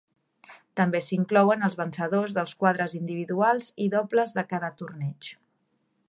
També s'inclouen els vencedors dels quadres individuals i dobles de cada torneig.